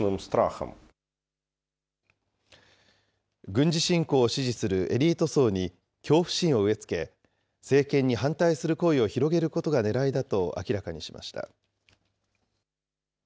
軍事侵攻を支持するエリート層に恐怖心を植え付け、政権に反対する声を広げることがねらいだと明らかにしました。